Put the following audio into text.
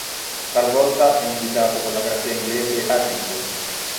Talvolta è indicato con la grafia inglese Agincourt.